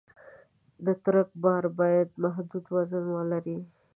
د ټرک بار باید محدود وزن ولري.